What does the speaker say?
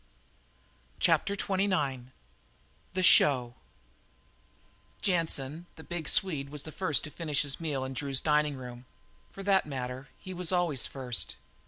CHAPTER XXIX THE SHOW Jansen, the big Swede, was the first to finish his meal in Drew's dining room. For that matter, he was always first.